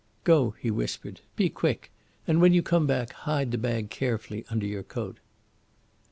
"Go!" he whispered. "Be quick, and when you come back hide the bag carefully under your coat."